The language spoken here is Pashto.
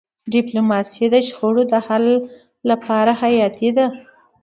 ډيپلوماسي د شخړو د حل لپاره حیاتي ده.